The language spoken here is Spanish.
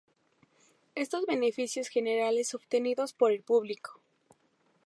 estos beneficios generales obtenidos por el público